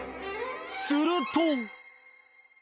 すると。